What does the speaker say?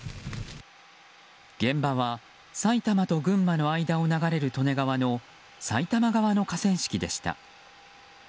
現場は埼玉と群馬の間を流れる利根川の埼玉側の河川敷でした。